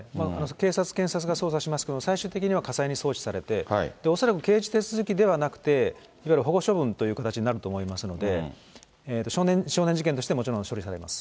警察、検察が捜査しますけれども、最終的には家裁に送致されて、恐らく刑事手続きではなくて、いわゆる保護処分という形になると思いますので、少年事件として、もちろん処理されます。